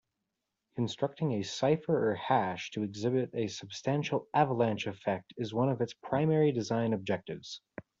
Constructing a cipher or hash to exhibit a substantial avalanche effect is one of its primary design objectives.